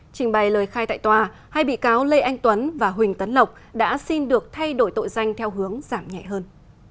trình bày lời khai tại tòa hai bị cáo lê anh tuấn và huỳnh tấn lộc đã xin được thay đổi tội danh theo hướng giảm nhẹ hơn